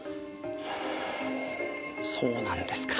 はあそうなんですか。